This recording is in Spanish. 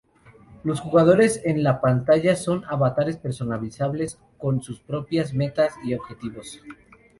Los jugadores en la pantalla son avatares personalizables, con sus propias metas y objetivos.